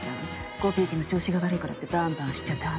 コピー機の調子が悪いからってバンバンしちゃダメ。